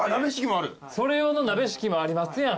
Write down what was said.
それ用の鍋敷きもありますやん。